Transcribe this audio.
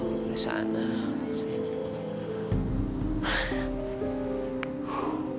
kau mau pulang ke sana sih